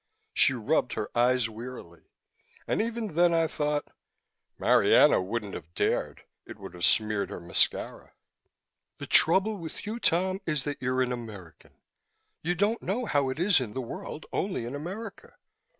She rubbed her eyes wearily and even then I thought: Marianna wouldn't have dared; it would have smeared her mascara. "The trouble with you, Tom, is that you're an American. You don't know how it is in the world, only in America.